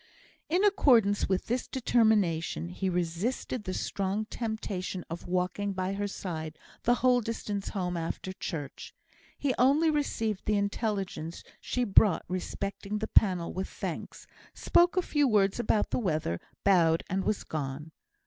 In accordance with this determination, he resisted the strong temptation of walking by her side the whole distance home after church. He only received the intelligence she brought respecting the panel with thanks, spoke a few words about the weather, bowed, and was gone.